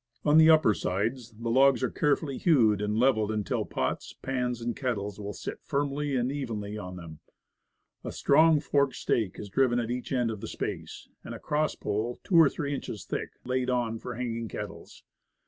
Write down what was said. On the upper sides the logs are carefully hewed and leveled until pots, pans and kettles will sit firmly and evenly on them. A strong forked stake is driven at each end of the space, and a cross pole, two or three inches thick, laid on, for hanging kettles.